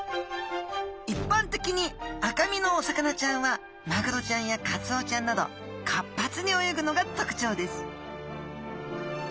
いっぱん的に赤身のお魚ちゃんはマグロちゃんやカツオちゃんなど活発に泳ぐのがとくちょうです